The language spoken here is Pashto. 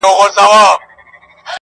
o اه څه نا پوه وم څه ساده دي کړمه,